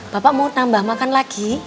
bapak mau tambah makan lagi